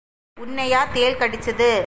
உன்னையா தேள் கடிச்சுது?